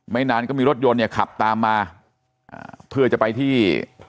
นานก็มีรถยนต์เนี่ยขับตามมาเพื่อจะไปที่